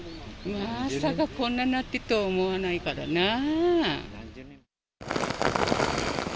まさかこんなになってるとは思わないからなあ。